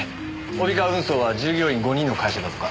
帯川運送は従業員５人の会社だとか。